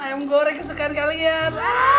ayam goreng kesukaan kalian